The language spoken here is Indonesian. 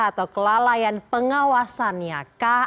atau kelalaian pengawasannya kah